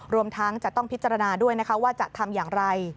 รวมทั้งจะต้องพิจารณาด้วยนะคะว่าจะทำอย่างไร